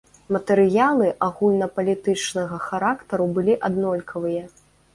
Матэрыялы агульнапалітычнага характару былі аднолькавыя.